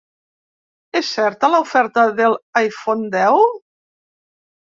És certa la oferta del iPhone deu?